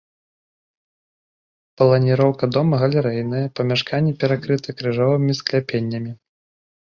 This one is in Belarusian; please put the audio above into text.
Планіроўка дома галерэйная, памяшканні перакрыты крыжовымі скляпеннямі.